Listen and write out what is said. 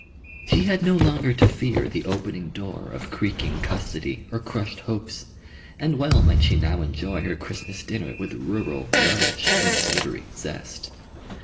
She had no longer to fear the opening door of creaking custody or crushed hopes, and well might she now enjoy her Christmas dinner with rural relish and savoury zest.